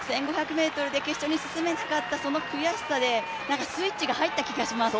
１５００ｍで決勝に進めなかったその悔しさでスイッチが入った気がします。